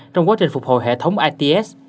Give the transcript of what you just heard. trong quá trình phục hồi hệ thống its